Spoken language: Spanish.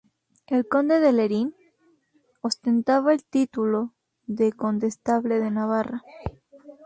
El conde de Lerín, ostentaba el título de condestable de Navarra.